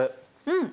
うん。